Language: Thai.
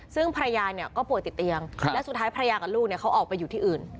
ซึ่งภรรยาเนี่ยก็ป่วยติดเตียงและสุดท้ายภรรยากับลูกเขาออกไปอยู่ที่อื่น